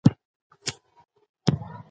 که ماري کوري راپور نه ورکړي، پایله به ناسم وي.